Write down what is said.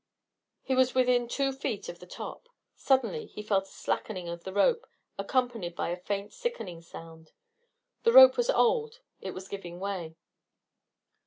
He was within two feet of the top. Suddenly he felt a slackening of the rope, accompanied by a faint sickening sound. The rope was old, it was giving way.